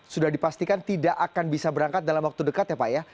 sudah dipastikan tidak akan bisa berangkat dalam waktu dekat ya pak ya